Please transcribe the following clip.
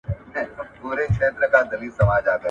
نارې د حق دي